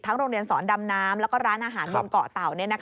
ทั้งโรงเรียนสรดำน้ำและร้านอาหารก่อเต่า